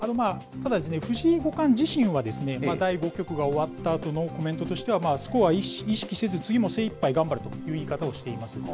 ただ藤井五冠自身は、第５局が終わったあとのコメントとしては、スコアは意識せず、次も精いっぱい頑張るという言い方をしています。